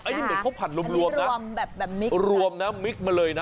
อันนี้เหมือนข้าวผัดรวมนะรวมแบบมิกรวมนะมิกมาเลยนะ